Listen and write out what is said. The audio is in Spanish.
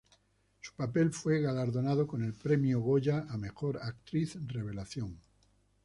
Su papel fue galardonado con el Premio Goya a mejor actriz revelación.